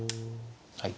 はい。